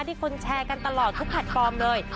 ที่คนแชร์กันตลอดทุกแพลตฟอร์มเลย